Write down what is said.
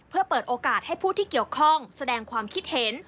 เพื่อเปิดโอกาสให้ผู้ที่เกี่ยวข้องแสดงความคิดเห็น